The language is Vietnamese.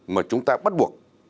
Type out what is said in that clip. mà chúng ta bắt buộc